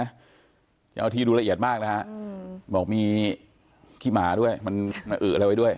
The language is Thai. เจ้าหน้าที่ดูละเอียดมากนะฮะบอกมีขี้หมาด้วยมันอึอะไรไว้ด้วย